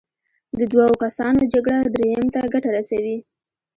د دوو کسانو جګړه دریم ته ګټه رسوي.